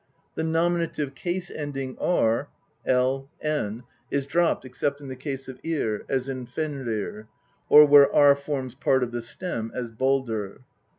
The nominative case ending V ('/,''') is dropped except in the case of 'tV as Fenrir ; or where V forms part of the stem as Baldr.